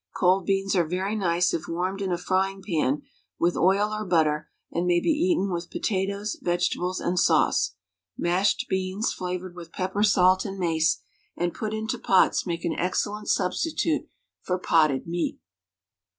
Cold beans are very nice if warmed in a frying pan with oil or butter, and may be eaten with potatoes, vegetables, and sauce. Mashed beans, flavoured with pepper, salt, and mace, and put into pots make an excellent substitute for potted meat.